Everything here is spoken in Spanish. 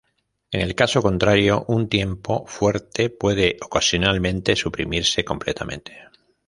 En el caso contrario, un tiempo fuerte puede ocasionalmente suprimirse completamente.